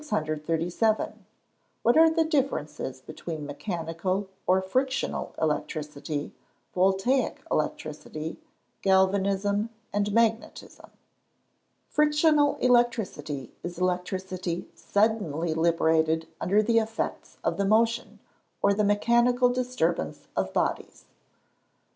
What are the differences between mechanical, or frictional electricity, Voltaic electricity, Galvanism, and magnetism? Frictional electricity is electricity suddenly liberated under the effects of the motion, or the mechanical disturbance of bodies.